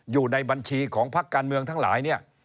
อยู่ในบัญชีของพักการเมืองทั้งหลายเนี่ย